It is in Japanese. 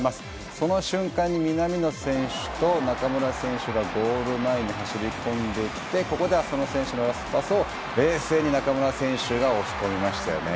その瞬間に南野選手と中村選手がゴール前に走りこんできてここで浅野選手のラストパスを冷静に中村選手が押し込みましたよね。